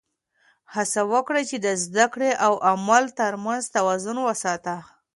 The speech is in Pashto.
هڅه وکړه چې د زده کړې او عمل تر منځ توازن وساته.